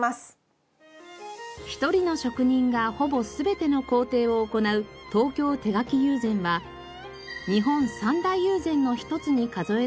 １人の職人がほぼ全ての工程を行う東京手描友禅は日本三大友禅の一つに数えられています。